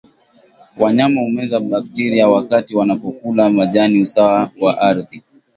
Wanyama humeza bakteria wakati wanapokula majani usawa wa ardhi